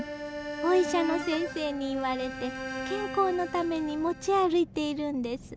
お医者の先生に言われて健康のために持ち歩いているんです。